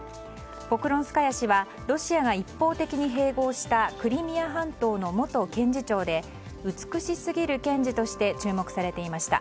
ポクロンスカヤ氏はロシアが一方的に併合したクリミア半島の元検事長で美しすぎる検事として注目されていました。